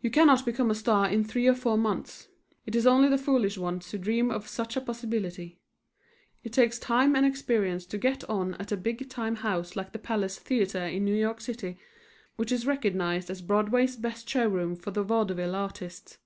You cannot become a star in three or four months. It is only the foolish ones who dream of such a possibility. It takes time and experience to get on at a big time house like the Palace Theatre in New York City, which is recognized as Broadway's best showroom for the vaudeville artist.